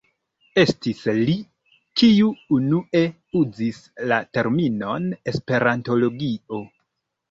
Estis li, kiu unue uzis la terminon "esperantologio".